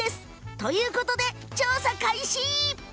ということで、調査開始！